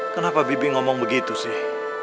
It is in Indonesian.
kenapa bibi ngomong begitu sih